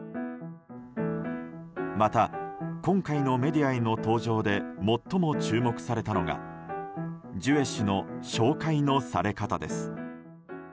また、今回のメディアへの登場で最も注目されたのがジュエ氏の紹介のされ方です。